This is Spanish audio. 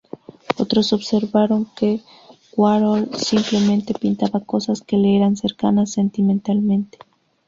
Otros observaron que Warhol simplemente pintaba cosas que le eran cercanas sentimentalmente.